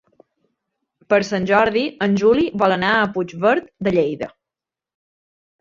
Per Sant Jordi en Juli vol anar a Puigverd de Lleida.